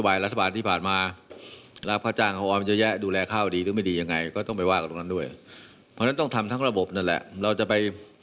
บางโรงพิธีล่างอาจจะเก็บข้าวไว้ตามนโยบายรัฐบาศที่ผ่านมา